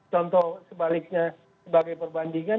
contoh sebaliknya sebagai perbandingan